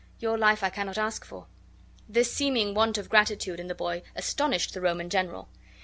Your life I cannot ask for." This seeming want of gratitude in the boy astonished the Roman general.